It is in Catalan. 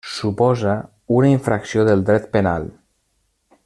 Suposa una infracció del dret penal.